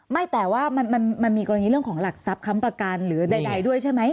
ไม่แต่ว่ามันมีกรณีเรื่องของหลักทรัพย์ค้ำประกันหรือใดด้วยใช่ไหม